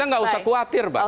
kita gak usah khawatir pak